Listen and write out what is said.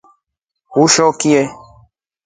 Uchori ki?